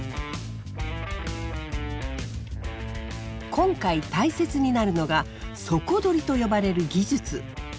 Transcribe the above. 今回大切になるのが「底取り」と呼ばれる技術。